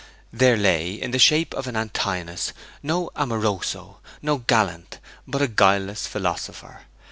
There lay, in the shape of an Antinous, no amoroso, no gallant, but a guileless philosopher.